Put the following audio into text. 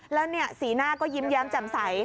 แล้วสีหน้าก็ยิ้มแย้มแจ่มใส